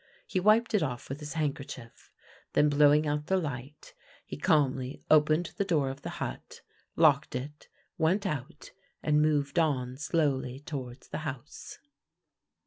He wiped it off with his hand kerchief, then, blowing out the light, he calmly opened the door of the hut, locked it, went out, and moved on slowly towards the house.